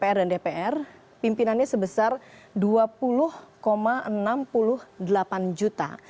pimpinan lebih kecil dari mpr dan dpr memang sebesar rp dua puluh enam puluh delapan juta